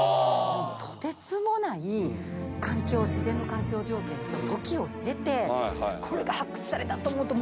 とてつもない自然の環境条件と時を経てこれが発掘されたと思うと。